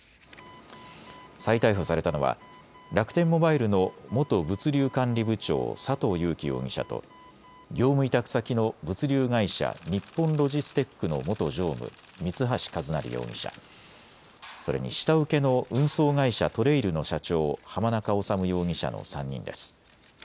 再逮捕されたのは楽天モバイルの元物流管理部長、佐藤友紀容疑者と業務委託先の物流会社、日本ロジステックの元常務、三橋一成容疑者、それに下請けの運送会社、ＴＲＡＩＬの社長、濱中治容疑者の３人です。